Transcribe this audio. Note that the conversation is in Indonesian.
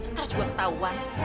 terlalu cukup ketauan